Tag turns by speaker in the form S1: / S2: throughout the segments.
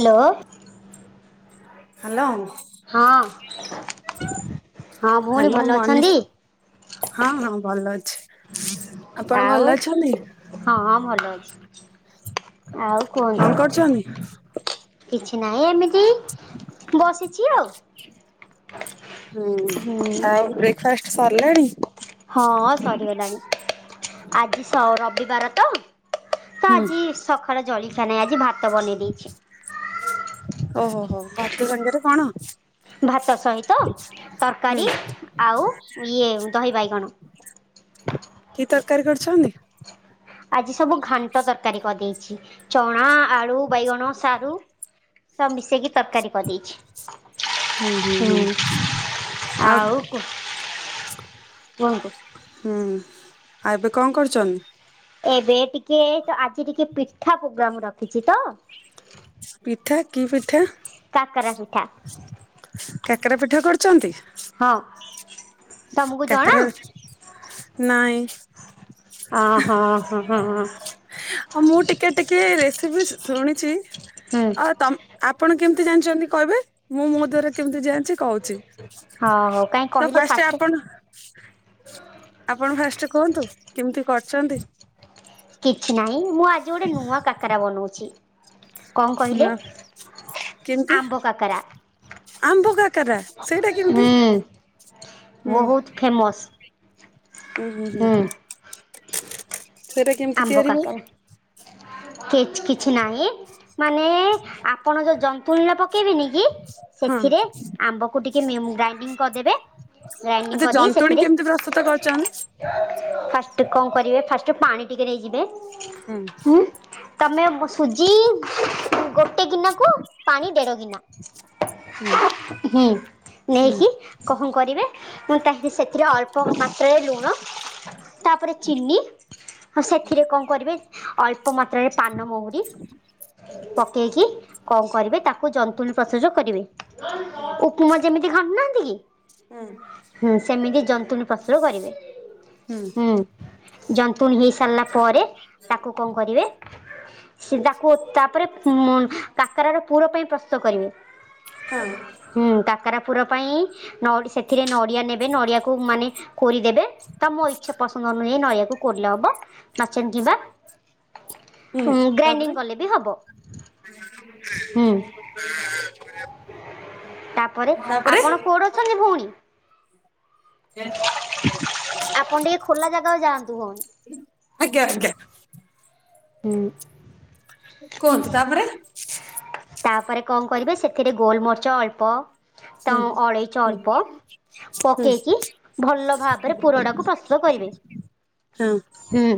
S1: Hello.
S2: Hello.
S1: ହଁ ହଁ ଭଉଣୀ
S2: ହ୍ୟାଲୋ
S1: ଭଲ
S2: ମନିଷ
S1: ଅଛନ୍ତି।
S2: ହଁ ହଁ ଭଲ ଅଛି। ଆପଣ ଭଲ
S1: ଆଉ
S2: ଅଛନ୍ତି
S1: ହଁ ହଁ ଭଲ ଅଛି। ଆଉ
S2: କଣ କରୁଛନ୍ତି?
S1: କୁହନ୍ତୁ କିଛି ନାହିଁ ଏମିତି ବସି ଚି ଆଉ।
S2: ହୁଁ
S1: ହୁଁ।
S2: ଆଉ ବ୍ରେକ୍ଫାଷ୍ଟ ସରିଲାଣି।
S1: ହଁ ସରିଗଲାଣି ଆଜି ସ ରବିବାର ତ ତ
S2: ହୁଁ
S1: ଆଜି ସକାଳେ ଜଳିଖଆ ନାହିଁ ଆଜି ଭାତ ବନେଇ ଦେଇଛି।
S2: ଓହୋ ହୋ ଭାତ ସାଙ୍ଗରେ କଣ?
S1: ଭାତ ସହିତ
S2: ହୁଁ
S1: ତରକାରୀ ଆଉ ଇଏ ଦହି ବାଇଗଣ।
S2: କି ତରକାରୀ କରୁଛନ୍ତି?
S1: ଆଜି ସବୁ ଘାଣ୍ଟ ତରକାରୀ କରିଦେଇଛି। ଚଣା, ଆଳୁ, ବାଇଗଣ, ସାରୁ ସ ମିଶେଇକି ତରକାରୀ କରିଦେଇଛି।
S2: ହୁଁ ହୁଁ ହୁଁ ଆଉ କ
S1: କୁହନ୍ତୁ
S2: ହୁଁ ଆଉ ଏବେ କଣ କରୁଛନ୍ତି?
S1: ଏବେ ଟିକେ ତ ଆଜି ଟିକେ ପିଠା ପ୍ରୋଗ୍ରାମ ରଖିଛି ତ
S2: ପିଠା କି ପିଠା?
S1: କାକରା ପିଠା।
S2: କାକେରା ପିଠା କରୁଛନ୍ତି।
S1: ହଁ ତମକୁ ଜଣା?
S2: କାକେରା
S1: ଓ ହୋ ହୋ ହୋଁ ହ
S2: ମୁଁ ଟିକେ ଟିକେ ରେସିପି ଶୁଣିଛି ଆଉ ତମ ଆପଣ କେମିତି ଜାଣିଛନ୍ତି କହିବେ ମୁଁ ମୋ ଦ୍ୱାରା କେମିତି ଜାଣିଛି କୋହୁଛି।
S1: ହଁ ହଉ କାଇଁ କହିଲେ ଫାଷ୍ଟ
S2: ହ ଆପଣ ଫାଷ୍ଟ କୁହନ୍ତୁ କେମିତି କରଛନ୍ତି?
S1: କିଛି ନାହିଁ ମୁଁ ଆଜି ଗୋଟେ ନୂଆ କାକରା ବନଉଛି। କଣ କହିଲେ
S2: ନା କେମିତି
S1: ଆମ୍ବ କାକରା
S2: ଆମ୍ବ କାକରା ସେଇଟା କେମିତି?
S1: ହୁଁ
S2: ଉଁ
S1: ବହୁତ ଫେମସ୍
S2: ଉ ହୁଁ ହୁଁ ସେଇଟା କେମିତି
S1: ଆମ୍ବ
S2: ତିଆରି ହୁଏ?
S1: କାକରେ କି କିଛି ନାହିଁ। ମାନେ ଆପଣ ଯୋଉ ଜନ୍ତୁଣୀ ପକେଇବେନି କି
S2: ହଁ
S1: ସେଥିରେ ଆମ୍ବକୁ ଟିକେ ନି ଗ୍ରାଇଡିଂ କରଦେବେ
S2: ଆଛା ଜନ୍ତୁଣୀ କେମିତି ପ୍ରସ୍ତୁତ କରୁଛନ୍ତି?
S1: ଫାଷ୍ଟ କଣ କରିବେ ଫାଷ୍ଟ ପାଣି ଟିକେ ନେଇଯିବେ
S2: ହଁ
S1: ତୁମେ ସୁଜି ଗୋଟେ ଗିନାକୁ ପାଣି ଦେଢ଼ ଗିନା
S2: ହୁଁ
S1: ହୁଁ
S2: ହୁଁ
S1: ନେଇକି କହଣ କରିବେ ମୁଁ ତାଙ୍କେ ସେଥିରେ ଅଳ୍ପ ମାତ୍ରାରେ ଲୁଣ ତାପରେ ଚିନି ହଉ ସେଥିରେ କଣ କରିବେ ଅଳ୍ପ ମାତ୍ରାରେ ପାନମହୁରି ପକେଇକି କଣ କରିବେ ତାକୁ ଜନ୍ତୁଣୀ ପ୍ରସ୍ତୋଗ କରିବେ।
S2: ହଁ
S1: ତୁମ ଯେମିତି ଖଣ୍ଡୁନାହାନ୍ତି କି
S2: ହଁ
S1: ହୁଁ ସେମିତି ଜନ୍ତୁଣୀ ପ୍ରସୁର କରିବେ, ହୁଁ ଜନ୍ତୁଣି ହେଇ ସାରିଲା ପରେ ତାକୁ କଣ କରିବେ ସେ ତାକୁ ତାପରେ କାକର ର ପୁର ପାଇଁ ପ୍ରସ୍ତୁତ କରିବେ।
S2: ହଁ
S1: ହୁଁ କାକାରା ପୁର ପାଇଁ ନ ସେଥିରେ ନଡ଼ିଆ ନେବ ନଡ଼ିଆ କୁ ମାନେ କୋରିଦେବେ ତ ମୋ ଇଚ୍ଛା ପସନ୍ଦ ଅନୁଯାୟୀ ନଡ଼ିଆକୁ କୋରିଲେ ହବ ନଚନ ଯିବା
S2: ହୁଁ
S1: ହଁ
S2: ତାପରେ
S1: ଗ୍ରାଇଣ୍ଡିଙ୍ଗ କଲେ ବି ହବ ହୁଁ ତାପରେ ଆପଣ କୋଉଁଠି ଅଛନ୍ତି ଭଉଣୀ
S2: ସେ
S1: ଆପଣ ଟିକେ ଖୋଲା ଜାଗା ଯାଆନ୍ତୁ ଭଉଣୀ
S2: ଆଜ୍ଞା ଆଜ୍ଞା
S1: ହୁଁ
S2: କୁହନ୍ତିୁ ତାପରେ
S1: ତାପରେ କଣ କରିବେ ସେଥିରେ ଗୋଲମରିଚ ଅଳ୍ପ ତ ଅଳେଇଚ
S2: ହୁଁ
S1: ଅଳ୍ପ
S2: ହୁଁ ହୁଁ
S1: ପକେଇକି ଭଲ ଭାବରେ ପୁରଟାକୁ ପ୍ରସ୍ତୁତ କରିବେ
S2: ହଁ
S1: ହୁଁ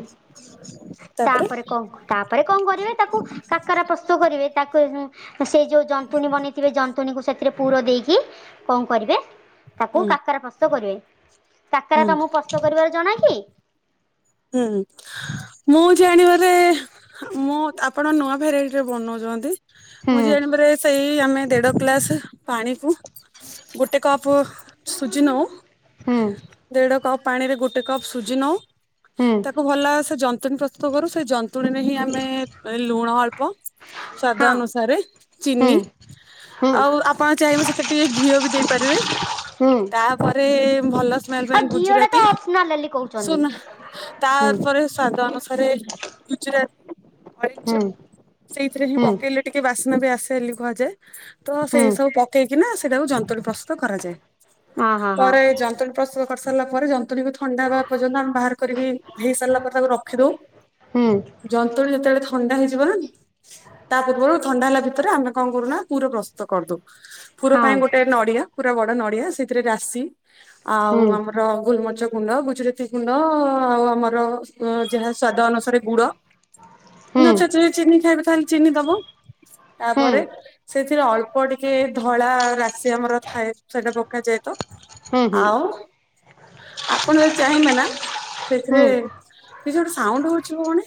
S1: ତାପରେ କଣ ତାପରେ କଣ କରିବେ ତାକୁ କାକରା ପ୍ରସ୍ତୁତ କରିବେ ତାକୁ ସେ ଯୋଉ ଜନ୍ତୁଣୀ ବନେଇଥିବେ ଜନ୍ତୁଣୀକୁ ସେଥିରେ ପୁର ଦେଇକି କଣ କରିବେ। ତାକୁ
S2: ହୁଁ
S1: କାକରା ପ୍ରସ୍ତୁତ କରିବେ କାକରା
S2: ହୁଁ
S1: ତମକୁ ପ୍ରସ୍ତୁତ କରିବାର ଜଣା କି
S2: ହୁଁ ମୁଁ ଜାଣିବାରେ ମୁଁ ଆପଣ ନୂଆ ଭେରାଇଟି ରେ ବନଉଛନ୍ତି
S1: ହୁଁ
S2: ମୁଁ ଯେ ଜଣିବାରେ ସେଇ ଆମେ ଦେଢ ଗ୍ଲାସ ପାଣି କୁ ଗୋଟେ କପ୍ ସୁଜି ନଉ
S1: ହୁଁ
S2: ଦେଢ କପ୍ ପାଣି ରେ ଗୋଟେ କପ୍ ସୁଜି ନଉ
S1: ହୁଁ
S2: ତାକୁ ଭଲ ସେ ଜନ୍ତୁଣୀ ପ୍ରସ୍ତୁତ କରୁ ଜନ୍ତୁ ଣୀରେ ହିଁ ଆମେ ଲୁଣ ଅଳ୍ପ ସ୍ୱାଦ
S1: ହଁ
S2: ଅନୁସାରେ ଚିନି
S1: ହୁଁ ହୁଁ
S2: ଆଉ ଆପଣ ଚାହିଁବେ ସେତେ ଟିକେ ଘିଅ ବି ଦେଇପାରିବେ
S1: ହୁଁ
S2: ତାପରେ ଭଲ ସେମ୍ଲେ
S1: ଆଉ ଘିଅ ଟା ତ
S2: ଗୁଜୁରାତି
S1: ଅପସନାଲ ବୋଲି କହୁଛନ୍ତି।
S2: ସୁନା
S1: ହୁଁ
S2: ସ୍ୱାଦ ଅନୁସାରେ ଗୁଜୁରାତି ଅଳେଇଚ
S1: ହୁଁ
S2: ସେଇଥିରେ
S1: ହୁଁ
S2: ପକେଇଲେ ଟିକେ ବାସ୍ନା ବି ଆସେ ବୋଲି କୁହାଯାଏ ତ
S1: ହୁଁ
S2: ସେଇ ସବୁ ପକେଇକିନା ସେଇଟାକୁ ଜନ୍ତୁଣୀ ପ୍ରସ୍ତୁତ କରାଯାଏ
S1: ହଁ ହଁ ହଁ
S2: ପରେ ଜନ୍ତୁଣୀ ପ୍ରସ୍ତୁତ କରିସାରିଲା ପରେ ଜନ୍ତୁଣୀକୁ ଥଣ୍ଡା ହେବା ପର୍ଯ୍ୟନ୍ତ ଆମେ ବାହାର କରିକି ହେଇ ସାରିଲା ପରେ ତାକୁ ରଖିଦଉ
S1: ହୁଁ
S2: ଜନ୍ତୁଣୀ ଯେତେବେଳେ ଥଣ୍ଡା ହେଇଯିବ ତା ପୂର୍ବରୁ ଥଣ୍ଡା ହେଲା ଭିତରେ ଆମେ କଣ କରୁନା ପୁର ପ୍ରସ୍ତୁତ କରିଦଉ ପୁର
S1: ହଁ
S2: ପାଇଁ ଗୋଟେ ନଡିଆ ପୁରା ବଡ ନଡିଆ ସେଥିରେ ରାଶି ଆଉ
S1: ହୁଁ
S2: ଆମର ର ଗୋଲମରିଚ ଗୁଣ୍ଡ ଗୁଜୁରାତି ଗୁଣ୍ଡ ଆଉ ଆମର ଯାହା ସ୍ଵାଦ ଅନୁସାରେ ଗୁଡ଼
S1: ହୁଁ
S2: ନଚେତ ଚିନି ଖାଇବ ତାହେଲେ ଚିନି ଦବ
S1: ହୁଁ
S2: ତାପରେ ସେଥିରେ ଅଳ୍ପ ଟିକେ ଧଳା ରାଶି ଆମର ଥାଏ ସେଇଟା ପକାଯାଏ ତ
S1: ହୁଁ ହୁଁ
S2: ଆଉ ଆପଣ ଯଦି ଚାହିଁବେ ନା ସେଥିରେ
S1: ହୁଁ
S2: କିଛି ଗୋଟେ ସାଉଣ୍ଡ ହଉଛି ଭଉଣୀ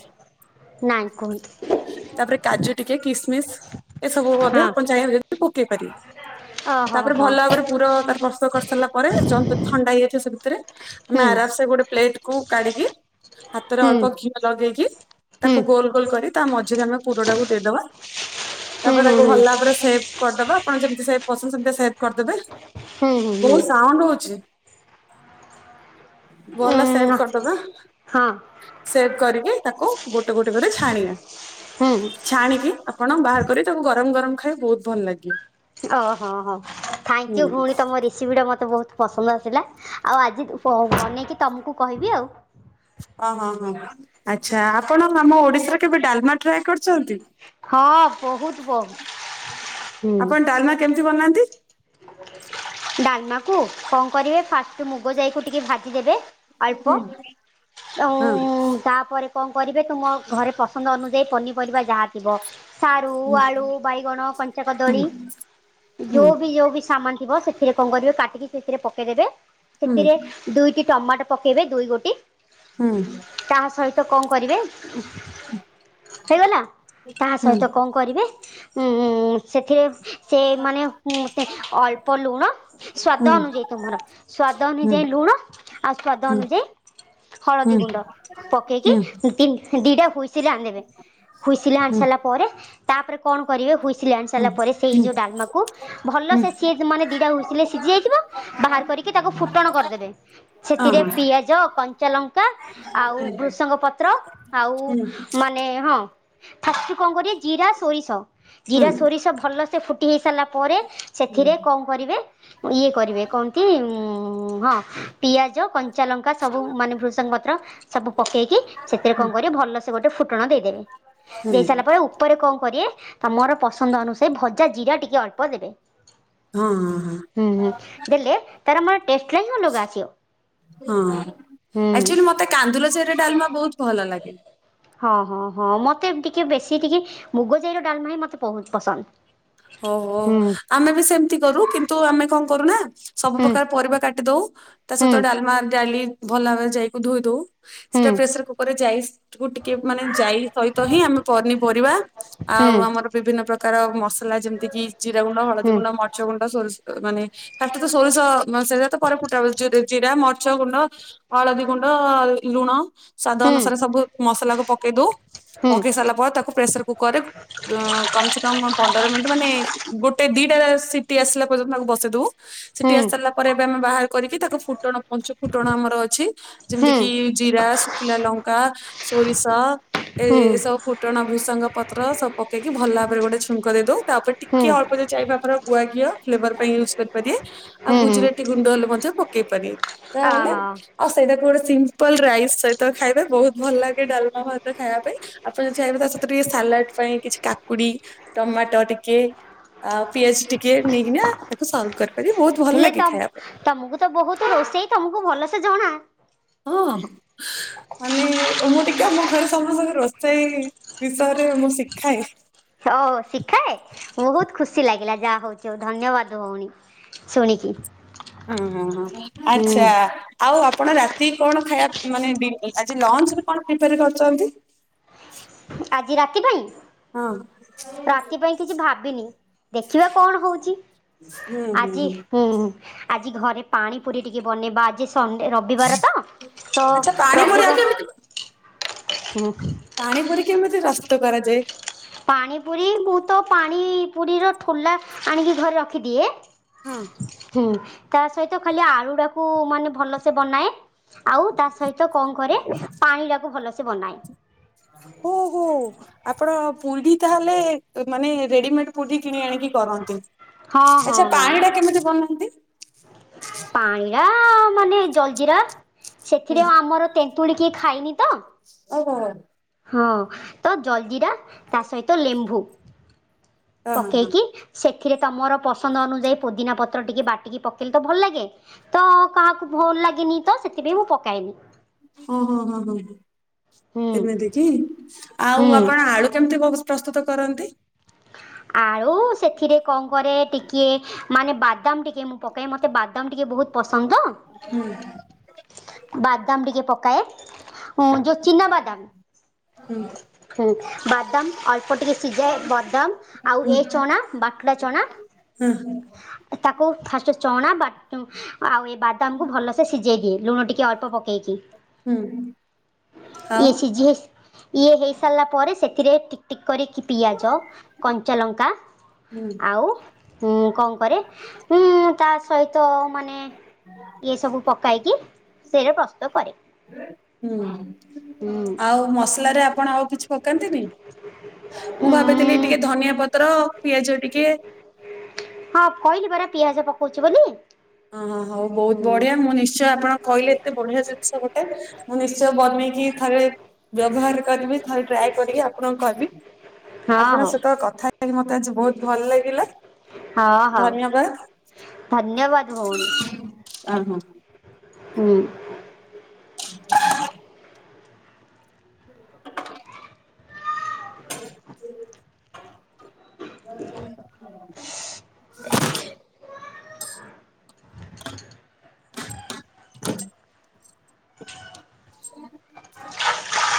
S1: ନାଇଁ କୁହନ୍ତୁ
S2: ତାପରେ କାଜୁ ଟିକେ କିସମିସ ଏସବୁ ମଧ୍ୟ
S1: ହଁ
S2: ଆପଣ ଚାହିଁବେ ଯଦି ପକେଇ ପାରିବେ
S1: ଓହୋ
S2: ତାପରେ
S1: ହଁ
S2: ଭଲ ଭାବରେ ପୁରା ତ ପ୍ରସ୍ତୁତ କରିସାରିଲା ପରେ ଜନ୍ତୁଣୀ ଥଣ୍ଡା ହେଇଯାଇଥିବ ସେ ଭିତରେ ଆମେ ଆରାମସେ ଗୋଟେ ପ୍ଲେଟକୁ କାଢିକି, ହାତରେ ଅଳ୍ପ ଘିଅ ଲଗେଇକି ତାକୁ ଗୋଲ ଗୋଲ କରି ତା ମଝିରେ ଆମେ ପୁରଟାକୁ ଦେଇଦବା। ତାପରେ ତାକୁ ଭଲ ଭାବରେ ସେବ୍ କରିଦବା, ଆପଣ ଯେମିତି ସେବ୍ କରୁଛନ୍ତି ସେମିତି ସେବ୍ କରିଦେବେ। ବହୁତ ସାଉଣ୍ଡ ହଉଛି, ଗଲା ସେ ସେବ୍ କରିଦବା,
S1: ହଁ
S2: ସେବ୍ କରିକି ତାକୁ ଗୋଟେ ଗୋଟେ କରି ଛାଣିବା।
S1: ହୁଁ
S2: ଛାଣିକି ଆପଣ ବାହାର କରି ତାକୁ ଗରମ ଗରମ ଖାଇବେ ବହୁତ ଭଲ ଲାଗେ।
S1: ଓହୋ ଓ ହୋ
S2: ହୁଁ
S1: ଥ୍ୟାଙ୍କୟୁ ଭଉଣୀ ତମ ସେ ରେସିବ ମୋତେ ବହୁତ ପସନ୍ଦ ଆସିଲା ଆଉ ଆଜି ବନେଇକି ତମକୁ କହିବି ଆଉ।
S2: ଓହୋ ହୋ ଆଚ୍ଛା ଆପଣ ଆମ ଓଡିଶାରେ କେବେ ଡାଲମା ଟ୍ରାଏ କରିଛନ୍ତି?
S1: ହଁ ବହୁତ ବହୁ ହୁଁ।
S2: ଆପଣ ଡାଲମା କେମିତି ବନାନ୍ତି?
S1: ଡାଲମାକୁ କଣ କରିବେ, ଫାଷ୍ଟ ମୁଗ ଯାଇକୁ ଟିକେ ଭାଜିଦେବେ। ଅଳ୍ପ
S2: ହଁ ହଁ
S1: [unintelligible] ତା ପରେ କଣ କରିବେ ତୁମ ଘରେ ପସନ୍ଦ ଅନୁଯାୟୀ ପନିପରିବା ଯାହା ଥିବ ସାରୁ, ଆଳୁ, ବାଇଗଣ, କଞ୍ଚା କଦଳୀ ଯୋଉବି ଯୋଉବି ସାମାନ୍ ଥିବ ସେଠି ସେଥିରେ କଣ କରିବେ କାଟିକି ସେଥିରେ ପକେଇଦେବେ ସେଥିରେ ଦୁଇଟି ଟମାଟୋ ପକେଇବେ ଦୁଇ ଗୋଟି।
S2: ହୁଁ।
S1: ତା ସହିତ କଣ କରିବେ ହେଇଗଲା, ତାହା ସହିତ କଣ କରିବେ ଉଁ ସେଥରେ ସେ ମାନେ ମୋଟେ ଅଳ୍ପ ଲୁଣ ସ୍ଵାଦ ଅନୁଯାୟୀ ତୁମର ସ୍ଵାଦ ଅନୁଯାୟୀ ଲୁଣ ଆଉ ସ୍ଵାଦ ଅନୁଯାୟୀ ହଳଦୀ ଗୁଣ୍ଡ ପକେଇକି ଦିଟା ହୁଇସିଲ ଆଣିଦେବେ ହୁଇସିଲ ଆଣି ସାରିଲା ପରେ ତାପରେ କଣ କରିବେ ହୁଇସିଲ ଆଣି ସାରା ପରେ, ସେଇ ଯୋଉ ଡାଲମାକୁ ଭଲ ସେ ସିଏ ସିଜ୍ ମାନେ ଦିଟା ହୁଏସି ସିଝି ଯାଇଥିବ, ବାହାର କରିକି ତାକୁ ଫୁଟଣ କରିଦେବେ। ସେଥିରେ ପିଆଜ, କଞ୍ଚା ଲଙ୍କା ଆଉ ବୃଷଙ୍ଗ ପତ୍ର, ଆଉ ମାନେ ହଁ ଫାଷ୍ଟ କଣ କରିବେ, ଜିରା ସୋରିଷ ଜିରା ସୋରିଷ ଭଲସେ ଫୁ ଫୁଟି ହେଇସାରିଲା ପରେ, ସେଥିରେ କଣ କରିବେ? ଇଏ କରିବେ କଣକି, ହଁ ପିଆଜ, କଞ୍ଚାଲଙ୍କା, ସବୁ ମାନେ ଭୃସଙ୍ଗ ପତ୍ର ସବୁ ପକେଇକି ସେଥିରେ କଣ କରିବ ଭଲସେ ଗୋଟେ ଫୁଟଣ ଦେଇଦେବେ। ଦେଇ ସାରିଲା ପରେ ଉପରେ କଣ କରିବେ, ତମର ପସନ୍ଦ ଅନୁସାରେ ଭଜା ଜିରା ଟିକେ ଅଳ୍ପ ଦେବେ।
S2: ହଁ ହଁ।
S1: ହୁଁ, ହୁଁ ଦେଲେ ତାର ମାନେ ଟେଷ୍ଟ ହିଁ ଅଲଗା ଆସିବ।
S2: ହଁ,
S1: ହୁଁ
S2: ଆକ୍ଚୁଆଲି ମତେ କାନ୍ଦୁଲେଚେରେ ଡାଲମା ବହୁତ ଭଲ ଲାଗେ।
S1: ହଁ ହଁ ହଁ ମତେ ଟିକେ ବେଶୀ ଟିକେ ମୁଗଜାଇର ଡାଲମା ହୀ ମତେ ବହୁତ ପସନ୍ଦ।
S2: ଓହୋ
S1: ହୁଁ
S2: ଆମେ ବି ସେମିତି କରୁ କିନ୍ତୁ ଆମେ କଣ କରୁନା? ସବୁ
S1: ହୁଁ
S2: ପ୍ରକାର ପରିବା କାଟି ଦଉ ତା
S1: ହୁଁ
S2: ସହିତ ଡାଲମା ଡାଲି ଭଲ ଭାବରେ ଯାଇକି ଧୋଇ ଦଉ।
S1: ହୁଁ
S2: ସେଟପ୍ ପ୍ରେସରକୁକରରେ ଯାଇଶ୍ ତାକୁ ଟିକେ ମାନେ ଯାଇ ସହିତ ହିଁ ଆମେ ପନିପରିବା
S1: ଅହ
S2: ଆଉ ଆମର ବିଭିନ୍ନ ପ୍ରକାର କାରଣ ମସଲା ଯେମିତି କି ଜିରା ଗୁଣ୍ଡ, ହଳଦୀ ଗୁଣ୍ଡ ମରିଚଗୁଣ୍ଡ ସୋରିଷ ମାନେ ଫାଷ୍ଟ ତ ସୋରିଷ ସେତ ପରେ ଫୁଟା ହୁଏ ଜିରା, ମରିଚଗୁଣ୍ଡ ହଳଦୀଗୁଣ୍ଡ, ଲୁଣ ସ୍ଵାଦ ଅନୁସାରେ ସବୁ ମସଲା କୁ ପକେଇ ଦଉ ପକେଇ ସାରିଲା ପରେ ତାକୁ ପ୍ରେସର କୁକରରେ କମ ସେ କମ ପନ୍ଦର ମିନିଟ୍ ମାନେ ଗୋଟେ ଦିଟା ସିଟି ଆସିଲା ପର୍ଯ୍ୟନ୍ତ ତାକୁ ବସେଇ ଦଉ ସିଟି ଆସି ସାରିଲା ପରେ ଏବେ ଆମେ ବାହାର କରିକି ତାକୁ ଫୁଟଣ ପଞ୍ଚୁ ଫୁଟଣ ଆମର ଅଛି ଯେମିତି କିି ଜିରା, ଶୁଖିଲା ଲଙ୍କା, ସୋରିଷ ଏ ଏସବୁ ଫୁଟଣ, ଭୂସଙ୍ଗ ପତ୍ର ସବୁ ପକେଇକି ଭଲ ଭାବରେ ଗୋଟେ ଛୁଙ୍କ ଦେଇଦଉ ତାପରେ ଟିକେ ଅଳ୍ପ ଚାରି ମାପର ଗୁଆ ଘିଅ ଫ୍ଲେଭର ପାଇଁ ୟୁଜ୍ କରିପାରିବେ ଆଉ ଗୁଜୁରାତି ଗୁଣ୍ଡ ହେଲେ ମଧ୍ୟ ପକେଇ ପାରିବେ। ତା ବଲେ। ଆଉ ସେଇଟାକୁ ଗୋଟେ ସିମ୍ପଲ ରାଇସ୍ ସହିତ ଖାଇବେ ବହୁତ ଭଲ ଲାଗେ ଡାଲମ ଭାତ ଖାଇବା ପାଇଁ। ଆପଣ ଯଦି ଚାହିଁବେ ତା ସହିତ ଟିକେ ସାଲାଡ ପାଇଁ କିଛି କାକୁଡି ଟମାଟ ଟିକେ। ଆଉ ପିଆଜ ଟିକେ ନେଇକିନା ତାକୁ ସର୍ଭ କରିପାରିବେ ବହୁତ ଭଲ
S1: ହେଲେ ତ
S2: ଲାଗେ ଖାଇବା ପାଇଁ।
S1: ତମକୁ ତ ବହୁତ ରୋଷେଇ ତମକୁ ଭଲସେ ଜଣା।
S2: ହଁ। ମାନେ ମୁଁ ଟିକେ ଆମ ଘରେ ସମସ୍ତଙ୍କେ ରୋଷେଇ ବିଷୟରେ ମୁଁ ଶିଖାଏ।
S1: ଓହ ଶିଖାଏ ବହୁତ ଖୁସି ଲାଗିଲା ଯାହା ହଉଚି ଆଉ ଧନ୍ୟବାଦ ଭଉଣୀ। ଶୁଣିକି।
S2: ହୁଁ ହୁଁ ହଁ
S1: ହୁଁ
S2: ଆଚ୍ଛା। ଆଉ ଆପଣ ରାତି କଣ ଖାଇବା ମାନେ ଆଜି ଲଞ୍ଚରେ କଣ ପ୍ରିଫୋର କରିୁଚନ୍ତି।
S1: ଆଜି ରାତି ପାଇଁ।
S2: ହଁ।
S1: ରାତି ପାଇଁ କିଛି ଭାବିନି ଦେଖିବା କଣ ହଉଚି।
S2: ହୁଁ ହୁଁ ହୁଁ।
S1: ହୁଁ ଆଜି ଘରେ ପାଣି ପୁରୀ ଟିକେ ବନେଇବା ଆଜି ସଣ୍ଡେ ରବିବାର ତ ତ
S2: ଆଚ୍ଛା ପାଣିପୁରୀ
S1: ରବିବାର ହଁ
S2: ପାଣି ପୁରୀ କେମିତି ରସ୍ତ କରାଯାଏ।
S1: ପାଣି ପୁରୀ ମୁଁ ତ ପାଣି ପୁରୀର ଠୋଲା ଆଣିକି ଘରେ ରଖିଦିଏ।
S2: ହଁ।
S1: ହୁଁ ତା ସହିତ ଖାଲି ଆଳୁ ତାକୁ ମାନେ ଭଲସେ ବନାଏ। ଆଉ ତା ସହିତ କଣ କରେ? ପାଣି ଟାକୁ ଭଲସେ ବନାଏ।
S2: ହୁ ହୋ। ଆପଣ ପୁରିଢ଼ି ତାହାଲେ ମାନେ ରେଡିମେଡ ପୁରି କିଣି ଆଣିକି କରନ୍ତି।
S1: ହଁ ହଁ
S2: ଆଚ୍ଛା
S1: ହଁ
S2: ପାଣି ଟା କେମିତି ବନାନ୍ତି?
S1: ପାଣିରା ମାନେ ଜଲଜିରା ସେଥିରେ
S2: ହୁଁ
S1: ଆମର ତେନ୍ତୁଳି କିଏ ଖାଇନି ତ
S2: ଓ [inaudible]
S1: ହଁ ତ ଜଲଜିିରା ତା ସହିତ ଲେମ୍ବୁ
S2: ହଁ ହଁ ହଁ
S1: ପକେଇକି ସେଥିରେ ତମର ପସନ୍ଦ ଅନୁଯାୟୀ ପୋଦିନା ପତ୍ର ଟିକେ ବାଟିକି ପକେଇଲେ ତ ଭଲ ଲାଗେ ତ କାହାକୁ ଭଲ ଲାଗିନି ତ ସେଥିପାଇଁ ମୁଁ ପକାଇଏନି।
S2: ଓ ହୋ ହଁ ହ
S1: ହୁଁ।
S2: ଏମିତି କି ଆଉ
S1: ହୁଁ।
S2: ଆପଣ ଆଳୁ କେମିତି ବ ପ୍ରସ୍ତୁତ କରନ୍ତି।
S1: ଆଳୁ ସେଥିରେ କଣ କରେ ଟିକିଏ ମାନେ ବାଦାମ ଟିକେ ମୁଁ ପକାଏ ମତେ ବାଦାମ ଟିକେ ବହୁତ ପସନ୍ଦ ତ।
S2: ହୁଁ।
S1: ବାଦାମ ଟିକେ ପକାଏ ଯୋଉ ଚିନା ବାଦାମ।
S2: ହୁଁ।
S1: ହୁଁ ବାଦାମ ଅଳ୍ପ ଟିକେ ସିଝା ବାଦାମ ଆଉ ଏ ଚଣା ବାଟୁଳା ଚଣା
S2: ହୁଁ ହୁଁଁ।
S1: ତାକୁ ଫାଷ୍ଟ ଚଣା ବାଟ ଆଉ ଏ ବାଦାମକୁ ଭଲସେ ସିଝେଇ ଦିଏ ଲୁଣ ଟିକେ ଅଳ୍ପ ପକେଇକି।
S2: ହୁଁ। ଆଉ
S1: ଇଏ ସିଝେ ଇଏ ହେଇ ସାରିଲା ପରେ ସେଥିରେ ଟି ଟି କରିକି ପିଆଜ କଞ୍ଚାଲଙ୍କା
S2: ହୁଁ
S1: ଆଉ ହୁଁ କଣ କରେ? ହୁଁ ତା ସହିତ ମାନେ ଇଏ ସବୁ ପକାଇକି ସେରେ ପ୍ରସ୍ତୁତ କରେ।
S2: ହୁଁ।
S1: ହୁଁ।
S2: ଆଉ ମସଲାରେ ଆପ ଆପଣ ଆଉ କିଛି ପକାନ୍ତିନୀ? ମୁଁ ଭାବିଥିଲି ଟିକେ ଧନିଆ ପତ୍ର ପିଆଜ ଟିକେ
S1: ହଁ, କହିଲି ପରା ପିଆଜ ପକଉଚି ବୋଲି।
S2: ହଁ, ହଁ, ହଉ ବହୁତ
S1: ହୁଁ।
S2: ବଢିଆ, ମୁଁ ନିଶ୍ଚୟ ଆପଣ କହିଲେ ଏତେ ବଢିଆ ଜିନିଷ ଗୋଟେ। ମୁଁ ନିଶ୍ଚୟ ବନେଇକି ଥରେ -ବ୍ୟବହାର କରିବି ଥରେ ଟ୍ରାଏ କରିକି ଆପଣଙ୍କୁ କହିବି। [inaudible]
S1: ହଁ
S2: ଆପଣଙ୍କ
S1: ହଉ
S2: ସହିତ କଥା ହେଇକି ମତେ ଆଜି ବହୁତ ଭଲ ଲାଗିଲା,
S1: ହଁ
S2: [inaudible]
S1: ହଉ
S2: ଧନ୍ୟବାଦ।
S1: [inaudible] ଧନ୍ୟବାଦ ଭଉଣୀ।
S2: ଆ ହଁ।
S1: [inaudible] ହୁଁ।
S2: [unintelligible] [inaudible] [unintelligible] [inaudible] [unintelligible] [inaudible] [inaudible] [unintelligible]
S1: [unintelligible] [inaudible] [unintelligible]
S2: [unintelligible] [inaudible] [unintelligible]